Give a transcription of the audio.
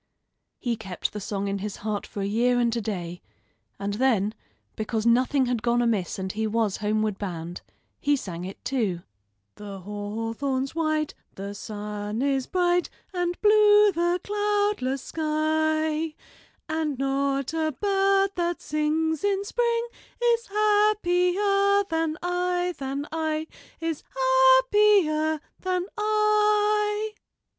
[Illustration: SHE LEANED ON THE FENCE THAT DIVIDED THE TWO.] He kept the song in his heart for a year and a day, and then, because nothing had gone amiss and he was homeward bound, he sang it, too: "The hawthorn's white, the sun is bright, And blue the cloudless sky; And not a bird that sings in spring Is happier than I, than I, Is happier than I."